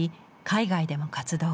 海外でも活動。